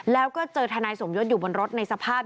แล้วก็เจอทนายสมยศอยู่บนรถในสภาพ